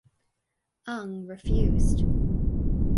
Ng refused.